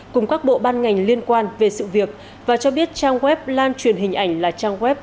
cùng các bộ ban ngành liên quan về sự việc và cho biết trang web lan truyền hình ảnh là trang web